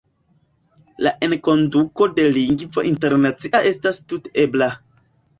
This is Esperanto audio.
La enkonduko de lingvo internacia estas tute ebla;.